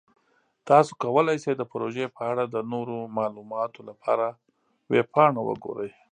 تاسو کولی شئ د پروژې په اړه د نورو معلوماتو لپاره ویب پاڼه وګورئ.